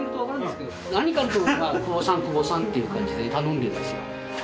何かあると久保さん久保さんっていう感じで頼んでるんですよ。